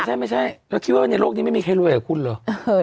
ใช่ไม่ใช่แล้วคิดว่าในโลกนี้ไม่มีใครรวยกับคุณเหรอ